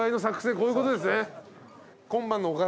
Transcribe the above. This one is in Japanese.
こういうことですね。